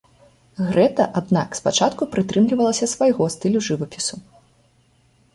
Грэта, аднак, спачатку прытрымлівалася свайго стылю жывапісу.